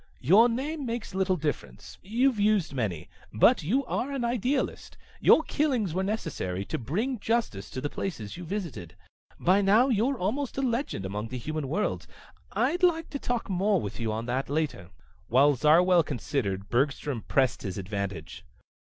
"Your name makes little difference. You've used many. But you are an idealist. Your killings were necessary to bring justice to the places you visited. By now you're almost a legend among the human worlds. I'd like to talk more with you on that later." While Zarwell considered, Bergstrom pressed his advantage.